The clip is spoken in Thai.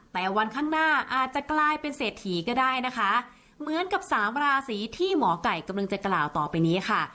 แต่วันข้างหน้าอาจจะกลายเป็นเศรษฐีก็ได้นะคะเหมือนกับสามราศีที่หมอไก่กำลังจะกล่าวต่อไปนี้ค่ะ